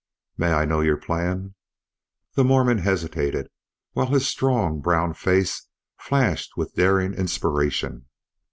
"May I know your plan?" The Mormon hesitated while his strong brown face flashed with daring inspiration.